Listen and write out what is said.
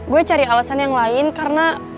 gue cari alasan yang lain karena